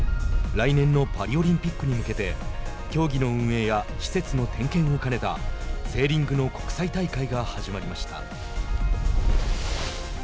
来年のパリオリンピックに向けて競技の運営や施設の点検を兼ねたセーリングの国際大会が始まりました。